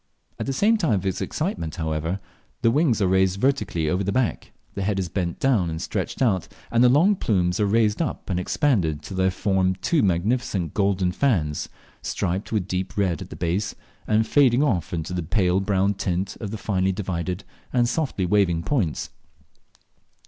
At the time of its excitement, however, the wings are raised vertically over the back, the head is bent down and stretched out, and the long plumes are raised up and expanded till they form two magnificent golden fans, striped with deep red at the base, and fading off into the pale brown tint of the finely divided and softly waving points.